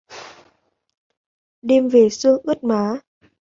Đêm về sương ướt má